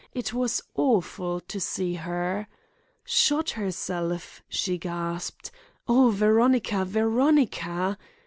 It was awful to see her. 'Shot herself?' she gasped. 'Oh, Veronica, Veronica!